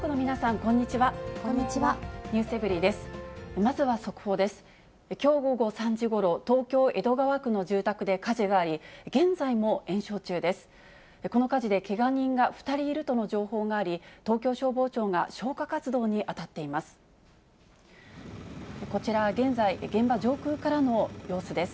この火事でけが人が２人いるとの情報があり、東京消防庁が消火活動に当たっています。